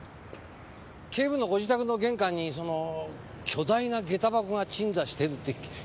警部のご自宅の玄関に巨大な下駄箱が鎮座してるって聞いたもんですから。